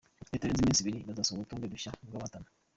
Bitarenze iminsi ibiri bazasohora urutonde rushya rw’abahatana.